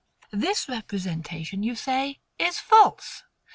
This representation, you say, is false.